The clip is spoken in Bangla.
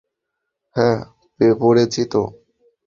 হ্যাঁ পড়েছি তো।